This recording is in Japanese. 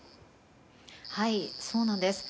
そうなんです。